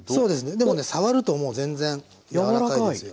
でもね触るともう全然柔らかいですよ。